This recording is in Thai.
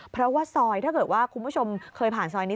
เพราะว่าซอยถ้าเกิดว่าคุณผู้ชมเคยผ่านซอยนี้